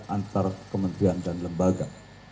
antar kementerian dan lembaga